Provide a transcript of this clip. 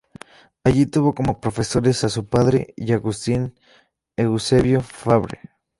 Allí tuvo como profesores a su padre y a Agustín Eusebio Fabre.